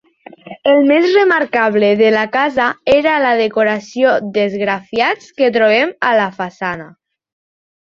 El més remarcable de la casa era la decoració d'esgrafiats que trobem a la façana.